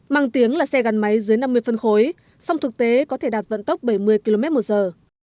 mang tiếng là xe gắn máy dưới năm mươi phân khối song thực tế có thể đạt vận tốc bảy mươi km một giờ